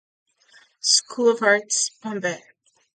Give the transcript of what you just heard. School of Arts, Bombay.